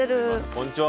こんにちは。